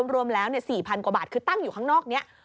รวมแล้ว๔๐๐กว่าบาทคือตั้งอยู่ข้างนอกนี้